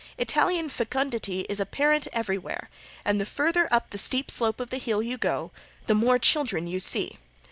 Italian fecundity is apparent everywhere, and the farther up the steep slope of the Hill you go the more children you see.